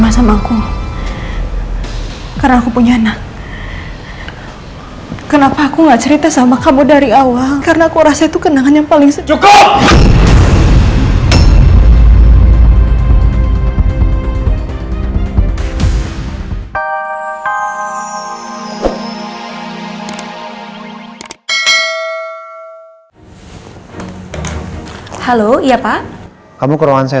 sampai jumpa di video selanjutnya